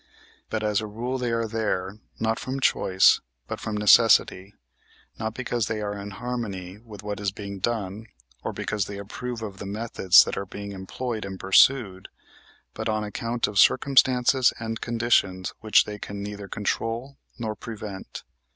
But as a rule they are there, not from choice, but from necessity, not because they are in harmony with what is being done, or because they approve of the methods that are being employed and pursued, but on account of circumstances and conditions which they can neither control nor prevent.